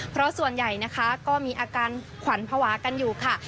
เพราะส่วนใหญ่นะคะก็มีอาการขวัญภาวะกันอยู่ค่ะ